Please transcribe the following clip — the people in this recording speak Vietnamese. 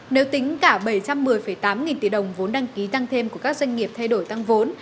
nếu tính cả bảy trăm một mươi tám nghìn tỷ đồng vốn đăng ký tăng thêm của các doanh nghiệp thay đổi tăng vốn